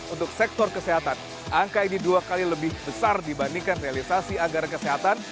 untuk sektor kesehatan angka ini dua kali lebih besar dibandingkan realisasi anggaran kesehatan